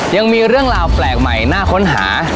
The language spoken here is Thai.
ยังมีเรื่องราวแปลกใหม่น่าค้นหา